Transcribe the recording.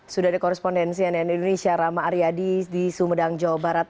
sudah ada korespondensi nn indonesia rama aryadi di sumedang jawa barat